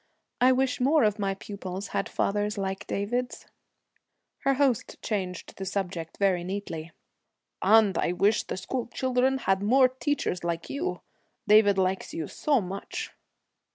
'I wish more of my pupils had fathers like David's.' Her host changed the subject very neatly. 'And I wish the school children had more teachers like you. David likes you so much.'